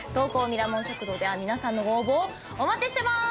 ミラモン食堂では皆さんのご応募をお待ちしてます！